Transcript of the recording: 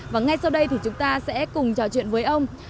và ngay sau đây thì chúng ta sẽ cùng trò chuyện với ông